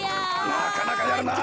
なかなかやるな。